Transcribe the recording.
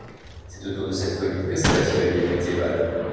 C'est autour de cette colline que s'est bâtie la ville médiévale.